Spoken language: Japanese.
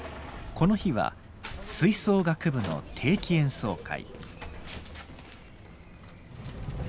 この日は吹奏楽部の定期演奏会。